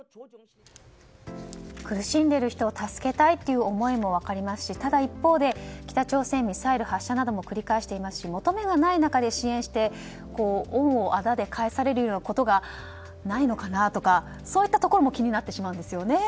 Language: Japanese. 苦しんでいる人を助けたいという思いも分かりますしただ、一方で北朝鮮はミサイル発射なども繰り返していますし求めがない中で支援して恩をあだで返されるようなことがないのかなとかそういったところも気になってしまうんですよね。